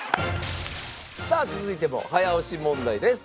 さあ続いても早押し問題です。